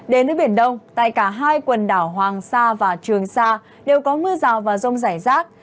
đến với biển đông tại cả hai quần đảo hoàng sa và trường sa đều có mưa rào và rông rải rác